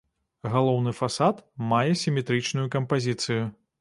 Галоўны фасад мае сіметрычную кампазіцыю.